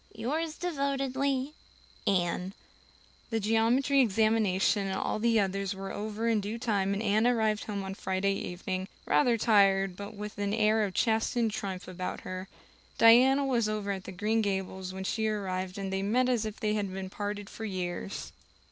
"Yours devotedly, "Anne" The geometry examination and all the others were over in due time and Anne arrived home on Friday evening, rather tired but with an air of chastened triumph about her. Diana was over at Green Gables when she arrived and they met as if they had been parted for years.